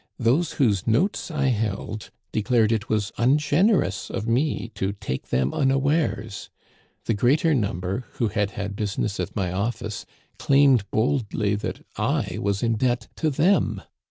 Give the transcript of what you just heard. Those whose notes I held, declared it was ungenerous of me to take them unawares. The greater number, who had had business at my office, claimed boldly that I was in debt to them.